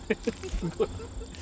すごい。